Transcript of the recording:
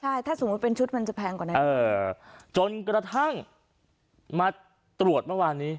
ใช่ถ้าสมมุติเป็นชุดมันจะแพงกว่านั้นจนกระทั่งมาตรวจเมื่อวานนี้